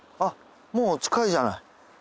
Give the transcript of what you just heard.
もう近いじゃない。